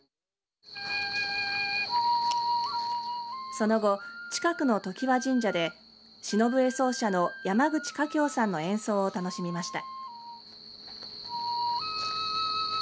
その後、近くの常盤神社で篠笛奏者の山口華鏡さんの演奏を楽しみました。